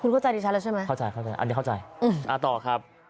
คุณเข้าใจดีชัดแล้วใช่ไหมเข้าใจอันนี้เข้าใจอ่าต่อครับ